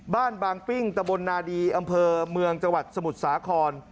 บางปิ้งตะบนนาดีอำเภอเมืองจังหวัดสมุทรสาคร